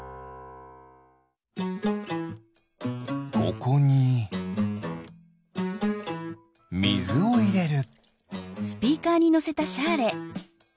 ここにみずをいれる。